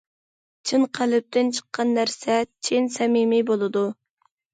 چىن قەلبتىن چىققان نەرسە چىن، سەمىمىي بولىدۇ.